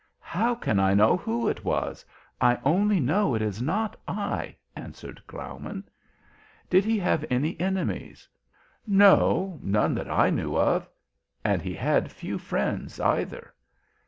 "How can I know who it was? I only know it is not I," answered Graumann. "Did he have any enemies?" "No, none that I knew of, and he had few friends either."